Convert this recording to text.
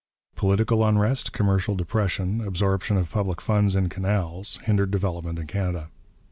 Political unrest, commercial depression, absorption of public funds in canals, hindered development in Canada.